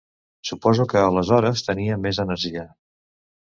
Suposo que, aleshores, tenia més energia.